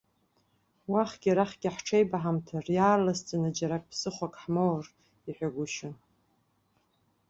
Уахьгьы арахьгьы ҳҽеибаҳамҭар, иаарласӡаны џьара ԥсыхәак ҳмаур, иҳәагәышьон.